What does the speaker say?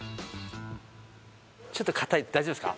ちょっとかたい大丈夫ですか？